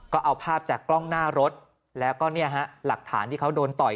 ก็เอาภาพจากกล้องหน้ารถแล้วก็เนี่ยฮะหลักฐานที่เขาโดนต่อย